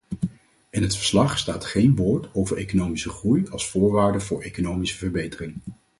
In het verslag staat geen woord over economische groei als voorwaarde voor economische verbetering.